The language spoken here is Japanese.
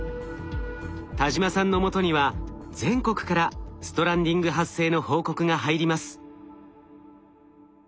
田島さんのもとには全国からストランディング発生の報告が入ります。